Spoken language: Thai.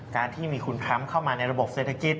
การที่มีคุณทรัมป์เข้ามาในระบบเศรษฐกิจ